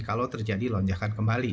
kalau terjadi lonjakan kembali